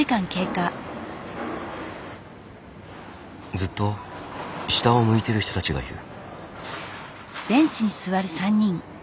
ずっと下を向いてる人たちがいる。